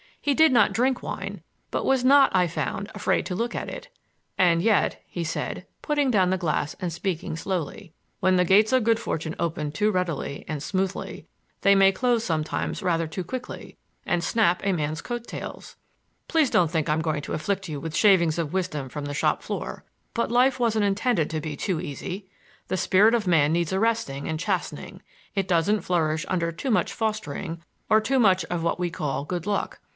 He did not drink wine, but was not, I found, afraid to look at it. "And yet," he said, putting down the glass and speaking slowly, "when the gates of good fortune open too readily and smoothly, they may close sometimes rather too quickly and snap a man's coat tails. Please don't think I'm going to afflict you with shavings of wisdom from the shop floor, but life wasn't intended to be too easy. The spirit of man needs arresting and chastening. It doesn't flourish under too much fostering or too much of what we call good luck.